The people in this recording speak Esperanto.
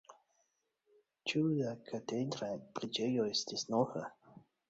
Ĉu la katedra preĝejo estis nova?